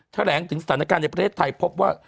แถลงถึงสถานการณ์ในประเทศไทยพบว่า